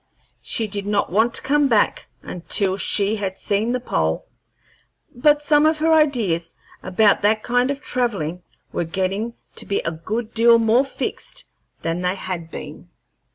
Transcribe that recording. She did not want to come back until she had seen the pole, but some of her ideas about that kind of travelling were getting to be a good deal more fixed than they had been.